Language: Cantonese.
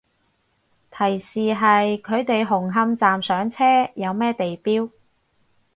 提示係佢哋紅磡站上車，有咩地標